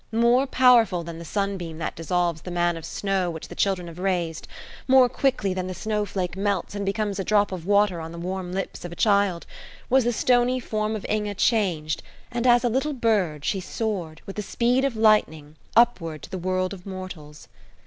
More powerful than the sunbeam that dissolves the man of snow which the children have raised, more quickly than the snowflake melts and becomes a drop of water on the warm lips of a child, was the stony form of Inge changed, and as a little bird she soared, with the speed of lightning, upward to the world of mortals.